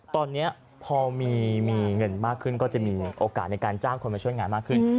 ตอนนี้พอมีเงินมากขึ้นก็จะมีโอกาสในการจ้างคนมาช่วยงานมากขึ้น